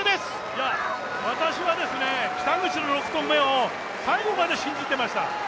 いや、私はですね、北口の６投目を最後まで信じてました。